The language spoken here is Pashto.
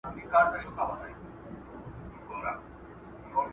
سياستپوهنه د حکومتونو د څرنګوالي ښوونه کوي.